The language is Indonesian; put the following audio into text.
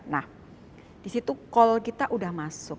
nah di situ call kita sudah masuk